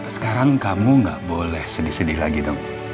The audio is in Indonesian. sekarang kamu gak boleh sedih sedih lagi dong